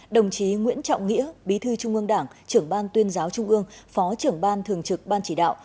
đồng chí nguyễn trọng nghĩa bí thư trung ương đảng trưởng ban tuyên giáo trung ương phó trưởng ban thường trực ban chỉ đạo